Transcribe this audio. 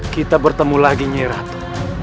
kita bertemu lagi nyeratu